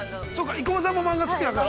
◆生駒さんも漫画が好きだから。